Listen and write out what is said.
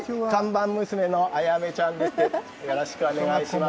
看板娘のあやめちゃんです。